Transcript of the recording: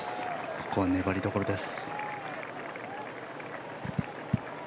ここは粘りどころです。